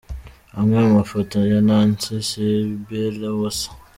Amwe mu mafoto ya Nancy Sibylle Uwase.